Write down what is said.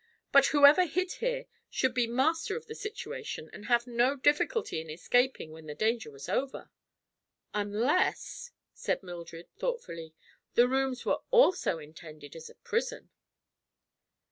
But whoever hid here should be master of the situation and have no difficulty in escaping when the danger was over." "Unless," said Mildred, thoughtfully, "the rooms were also intended as a prison."